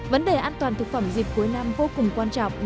vấn đề an toàn thực phẩm dịp cuối năm vô cùng quan trọng